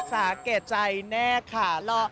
สาเหตุใจแน่ค่ะ